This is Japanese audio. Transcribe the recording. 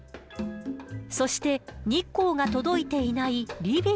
そして日光が届いていないリビング。